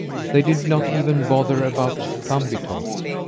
They did not even bother about Thumbietot.